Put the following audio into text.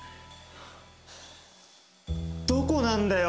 どこなんだよ？